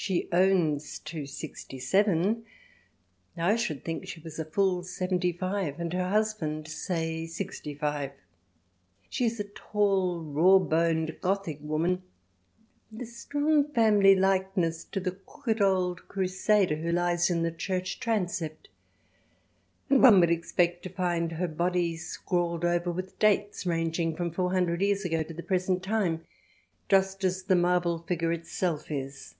She owns to sixty seven, I should think she was a full seventy five, and her husband, say, sixty five. She is a tall, raw boned Gothic woman with a strong family likeness to the crooked old crusader who lies in the church transept, and one would expect to find her body scrawled over with dates ranging from 400 years ago to the present time, just as the marble figure itself is.